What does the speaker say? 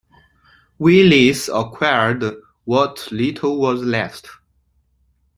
Willys acquired what little was left.